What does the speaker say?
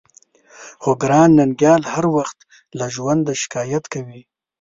خو ګران ننګيال هر وخت له ژونده شکايت کوي.